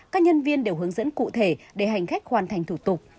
các nhân viên đều hướng dẫn cụ thể để hành khách hoàn thành thủ tục